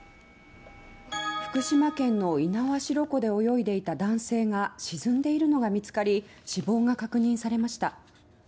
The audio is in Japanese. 福島県の猪苗代湖で泳いでいた男性が沈んでいるのが見つかり死亡が確認されました。